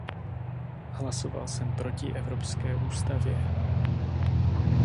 Hlasoval jsem proti evropské ústavě.